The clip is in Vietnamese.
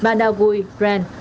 ban đao vui ran